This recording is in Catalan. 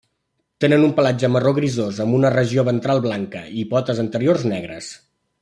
Tenen un pelatge marró grisós amb una regió ventral blanca i potes anteriors negres.